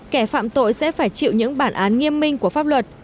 kẻ phạm tội sẽ phải chịu những bản án nghiêm minh của pháp luật